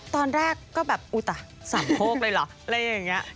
ตอนแรกก็แบบสามโค้กเลยเหรอ